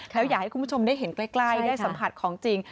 แล้วอยากให้คุณผู้ชมได้เห็นใกล้ได้สัมผัสของจริง